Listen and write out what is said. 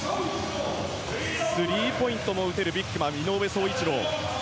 スリーポイントも打てるビッグマン、井上宗一郎。